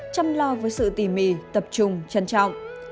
chăm lo với sự tỉ mỉ tập trung trân trọng